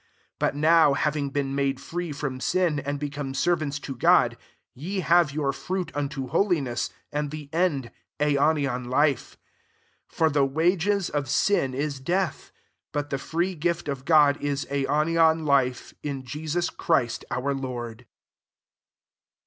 22 feat, now, having been made M from sin, and become ser W^ to God, ye have your unto holiness ; and the end tan life. 23 For the wages sin is death ; but the free ift of God is aionian life, b Jesus Christ our Lord.